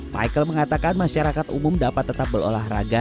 michael mengatakan masyarakat umum dapat tetap berolahraga